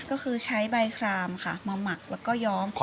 ก็คือใช้ใบครามค่ะมาหมักแล้วก็ย้อม